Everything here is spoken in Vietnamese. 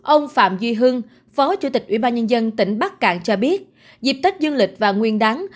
ông phạm duy hưng phó chủ tịch ủy ban nhân dân tỉnh bắc cạn cho biết dịp tết dương lịch và nguyên đáng